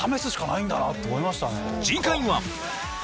次回は！